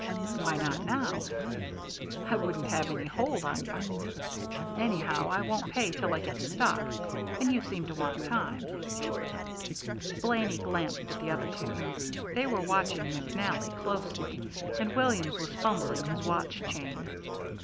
"Why not now?" "I wouldn't have any hold on you. Anyhow, I won't pay till I get the stock, and you seem to want time." Blaney glanced at the other two. They were watching McNally closely, and Williams was fumbling his watch chain.